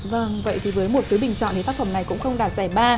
với một phiếu bình chọn thì tác phẩm này cũng không đạt giải ba